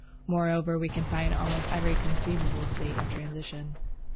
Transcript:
Moreover, we can find almost every conceivable state of transition.